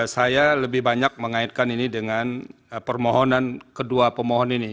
saya lebih banyak mengaitkan ini dengan permohonan kedua pemohon ini